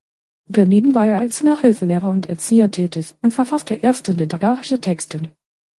Daneben war er als Nachhilfelehrer und Erzieher tätig und verfasste erste literarische Texte.